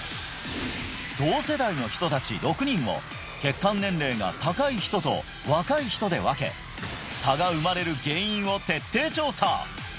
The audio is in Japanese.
同世代の人達６人を血管年齢が高い人と若い人で分け差が生まれる原因を徹底調査！